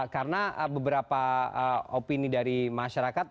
karena beberapa opini dari masyarakat